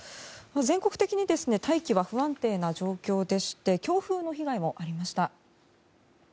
全国的に大気は不安定な状況でして強風の被害もありました。